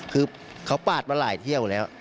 คือเขาปาดมาหลายเที่ยวแล้ว